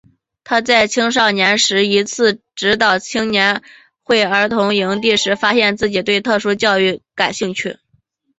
他在青少年时一次指导青年会儿童营地时发现自己对特殊教育感兴趣。